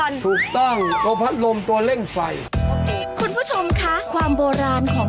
นี่คือเครื่องออกสมัยก่อน